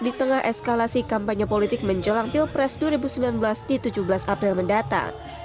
di tengah eskalasi kampanye politik menjelang pilpres dua ribu sembilan belas di tujuh belas april mendatang